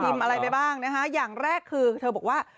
อะไรไปบ้างนะคะอย่างแรกคือเธอบอกว่า